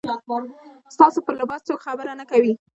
ستاسو پر لباس څوک خبره نه کوي.